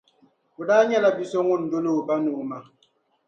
O daa nyɛla bia so ŋun doli o ba ni o ma